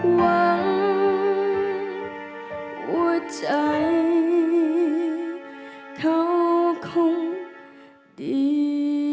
หวังหัวใจเขาคงดี